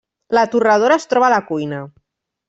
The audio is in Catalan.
La torradora es troba a la cuina.